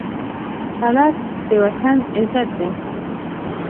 سړک د وطن عزت دی.